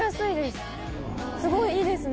すごいいいですね